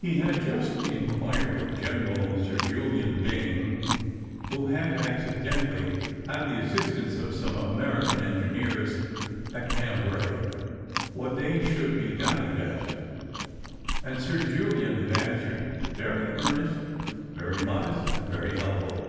He had just inquired of General Sir Julian Byng, who had accidentally had the assistance of some American engineers at Cambrai, what they should be valued at, and Sir Julian had answered: "Very earnest, very modest, and very helpful."